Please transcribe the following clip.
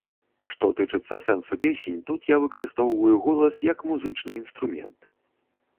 Што тычыцца сэнсу песень, тут я выкарыстоўваю голас як музычны інструмент.